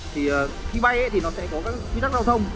thì khi bay thì nó sẽ có các quy tắc giao thông